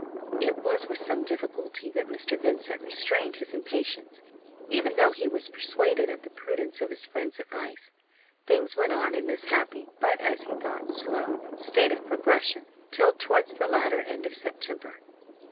It was with some difficulty that Mr. Vincent restrained his impatience, even though he was persuaded of the prudence of his friend's advice. Things went on in this happy, but as he thought slow, state of progression till towards the latter end of September.